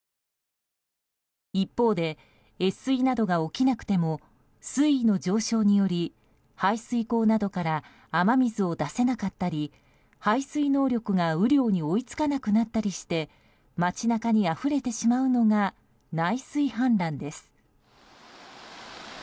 一方で越水などが起きなくても水位の上昇により排水溝などから雨水を出せなかったり排水能力が雨量に追いつかなくなったりして街中にあふれてしまうのが内水氾濫です。